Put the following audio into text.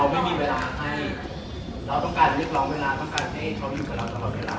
ไม่มีเวลาให้เราต้องการเรียกร้องเวลาต้องการให้เขาอยู่กับเราตลอดเวลา